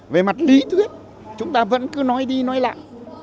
về mặt lý thuyết chúng ta vẫn cứ nói đi nói lại